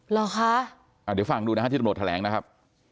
เดี๋ยวฟังดูธรรมดทะเลงนะครับ